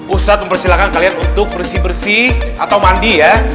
ustadz mempersilahkan kalian untuk bersih bersih atau mandi ya